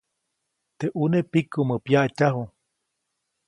Teʼ ʼune pikumä pyaʼtyaju.